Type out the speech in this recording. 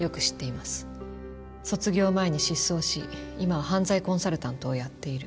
卒業前に失踪し今は犯罪コンサルタントをやっている。